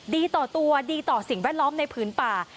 ดีต่อตัวดีต่อสิ่งแวดล้อมในพื้นป่า